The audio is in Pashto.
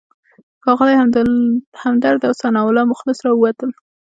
ښاغلی همدرد او ثناالله مخلص راووتل.